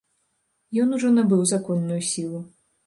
Ён ужо набыў законную сілу.